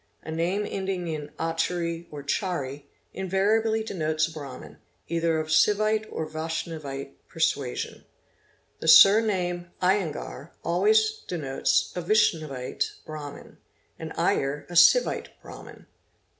A name ending in Achary or Chary invariably denotes a Brahmin, either of Sivite or Vaishnavite persuasion. _ The surname* Jyengar always denotes a Vaishnavite Brahmin and Iyer a Sivite Brahmin.